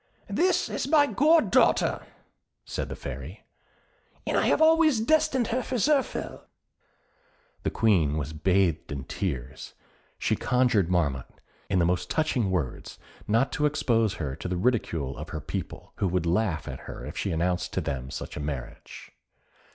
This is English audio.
"This is my goddaughter," said the Fairy, "and I have always destined her for Zirphil." The Queen was bathed in tears. She conjured Marmotte, in the most touching words, not to expose her to the ridicule of her people, who would laugh at her if she announced to them such a marriage.